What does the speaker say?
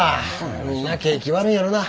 みんな景気悪いんやろな。